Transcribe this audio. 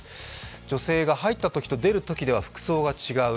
女性が入ったときと出るときでは服装が違う。